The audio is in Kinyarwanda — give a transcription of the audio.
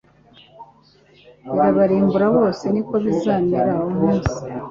birabarimbura bose. Ni ko bizamera umunsi